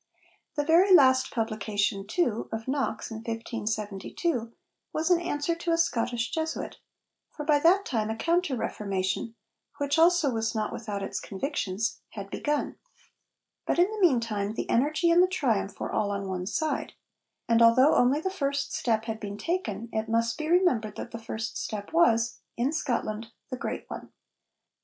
The very last publication, too, of Knox in 1572 was an answer to a Scottish Jesuit; for by that time a counter Reformation, which also was not without its convictions, had begun. But, in the meantime, the energy and the triumph were all on one side. And although only the first step had been taken, it must be remembered that the first step was, in Scotland, the great one.